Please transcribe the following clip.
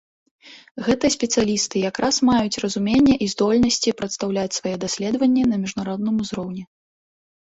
Гэтыя спецыялісты зараз маюць разуменне і здольнасці прадстаўляць свае даследаванні на міжнародным узроўні.